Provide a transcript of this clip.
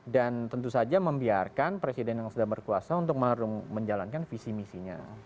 dan tentu saja membiarkan presiden yang sudah berkuasa untuk menjalankan visi misinya